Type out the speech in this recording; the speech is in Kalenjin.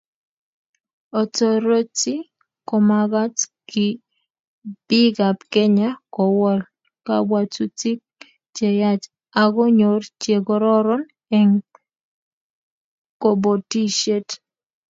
Otoroti komagat bikap Kenya Kowal kabwatutik cheyach akonyor chekororon eng kobotisiet